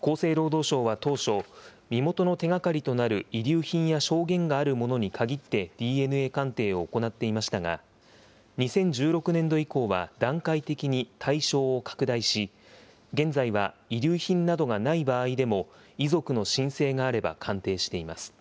厚生労働省は当初、身元の手がかりとなる遺留品や証言があるものに限ってＤＮＡ鑑定を行っていましたが、２０１６年度以降は段階的に対象を拡大し、現在は遺留品などがない場合でも、遺族の申請があれば鑑定しています。